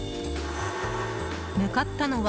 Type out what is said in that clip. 向かったのは